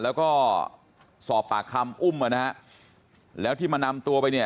แล้วก็สอบปากคำอุ้มมานะฮะแล้วที่มานำตัวไปเนี่ย